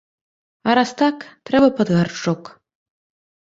А раз так, трэба пад гаршчок.